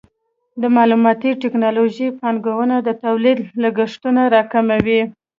د معلوماتي ټکنالوژۍ پانګونه د تولید لګښتونه راکموي.